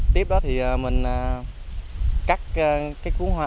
tiếp đó thì mình cắt cái cuốn hoa